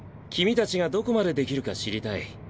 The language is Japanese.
君たちがどこまでできるか知りたい。